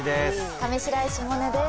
上白石萌音です